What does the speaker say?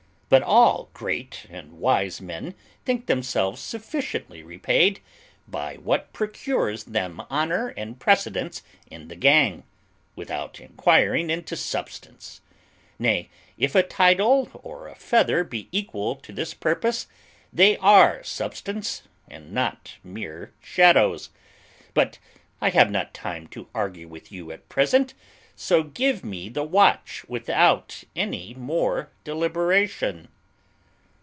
But all great and wise men think themselves sufficiently repaid by what procures them honour and precedence in the gang, without enquiring into substance; nay, if a title or a feather be equal to this purpose, they are substance, and not mere shadows. But I have not time to argue with you at present, so give me the watch without any more deliberation."